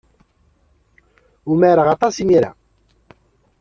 Umareɣ aṭas imir-a.